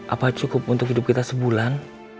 apa cukup untuk hidup kita sebulan